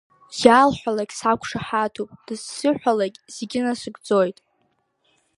Иаалҳәалакь сақәшаҳаҭуп, дызсыҳәалакь зегьы насыгӡоит!